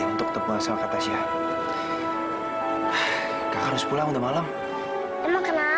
sampai jumpa di video selanjutnya